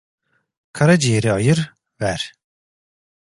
Karaciğeri ayır, ver…